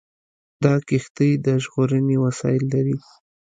دا کښتۍ د ژغورنې وسایل لري.